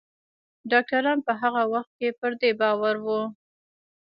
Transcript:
ډاکتران په هغه وخت کې پر دې باور وو